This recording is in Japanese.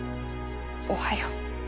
おはよう。